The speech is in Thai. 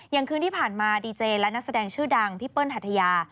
อย่างคืนที่ผ่านมาดีเจและนักแสดงชื่อดังพี่เปิ้ลหัทยา